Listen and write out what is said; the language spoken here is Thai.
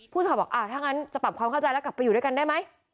สอบบอกถ้างั้นจะปรับความเข้าใจแล้วกลับไปอยู่ด้วยกันได้ไหม